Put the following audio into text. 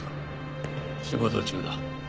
仕事中だ。